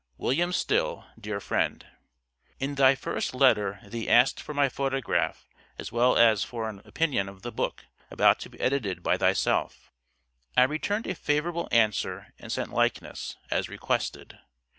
WM. STILL, DEAR FRIEND: In thy first letter thee asked for my photograph as well as for an opinion of the book about to be edited by thyself. I returned a favorable answer and sent likeness, as requested.